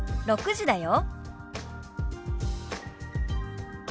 「６時だよ」。